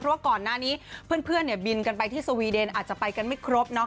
เพราะว่าก่อนหน้านี้เพื่อนบินกันไปที่สวีเดนอาจจะไปกันไม่ครบเนาะ